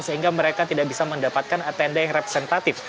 sehingga mereka tidak bisa mendapatkan tenda yang representatif